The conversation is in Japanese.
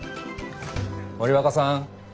森若さん。